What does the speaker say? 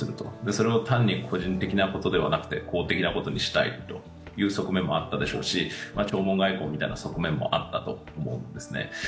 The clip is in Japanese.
それを単に個人的なことではなくて、公的な面にしたいという側面もあったでしょうし弔問外交みたいな側面もあったと思うんですね。